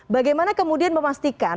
bagaimana kemudian memastikan